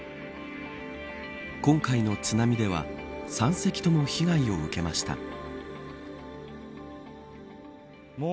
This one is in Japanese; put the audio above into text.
今回の津波では３隻とも被害を受けました。